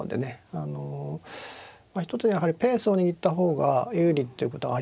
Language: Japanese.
あの一つにはやはりペースを握った方が有利っていうことがありますのでね